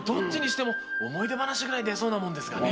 思い出話ぐらい出そうなもんですがね。